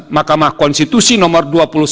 makamah konstitusi nomor dua puluh sembilan